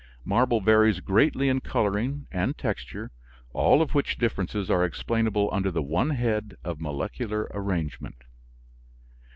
Marble varies greatly in coloring and texture, all of which differences are explainable under the one head of molecular arrangement.